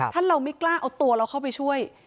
ถ้าเราไม่กล้าเอาตัวเราเข้าไปช่วย